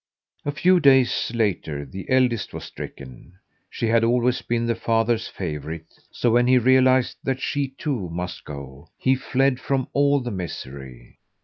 A few days later the eldest was stricken. She had always been the father's favourite, so when he realized that she, too, must go, he fled from all the misery.